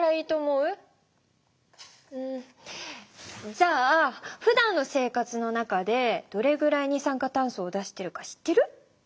うんじゃあふだんの生活の中でどれくらい二酸化炭素を出しているか知ってる？